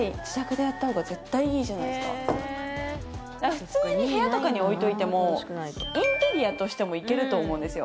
普通に部屋とかに置いといてもインテリアとしてもいけると思うんですよ。